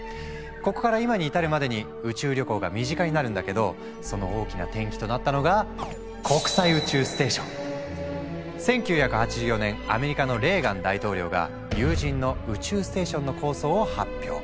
ここから今に至るまでに宇宙旅行が身近になるんだけどその大きな転機となったのが１９８４年アメリカのレーガン大統領が有人の宇宙ステーションの構想を発表。